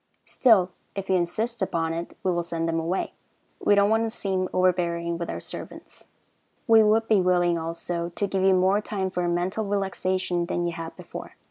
Still, if you insist upon it, we will send them away. We don't want to seem overbearing with our servants. We would be willing, also, to give you more time for mental relaxation than you had before.